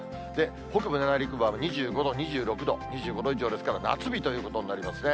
北部、内陸部は２５度、２６度、２５度以上ですから、夏日ということになりますね。